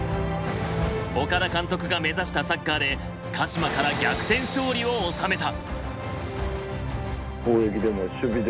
岡田監督が目指したサッカーで鹿島から逆転勝利を収めた。